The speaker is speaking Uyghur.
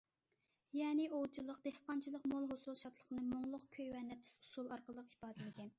يەنى ئوۋچىلىق، دېھقانچىلىق مول ھوسۇل شادلىقىنى مۇڭلۇق كۈي ۋە نەپىس ئۇسسۇل ئارقىلىق ئىپادىلىگەن.